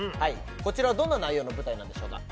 こちらはどんな内容の舞台なんでしょうか？